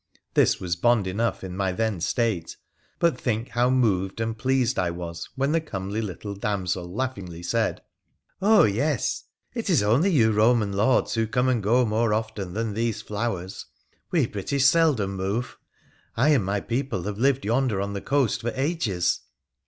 This was bond enough in my then state ; but think how moved and pleased I was when the comely little damsel laughingly said, ' Oh, yes ! it is PHRA THE PHOENICIAN 41 only you Roman lords who come and go more often than these flowers. We British seldom move ; I and my people have lived yonder on the coast for ages